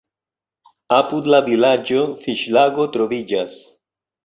Apud la vilaĝo fiŝlago troviĝas.